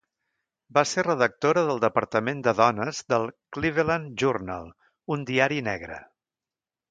Va ser redactora del departament de dones del "Cleveland Journal", un diari negre.